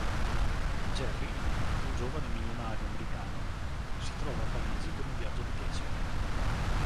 Jerry, un giovane milionario americano, si trova a Parigi per un viaggio di piacere.